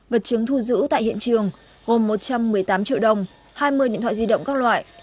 vật chứng thu giữ tại hiện trường gồm một trăm một mươi tám triệu đồng hai mươi điện thoại di động các loại